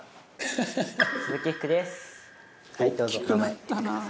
鈴木福です。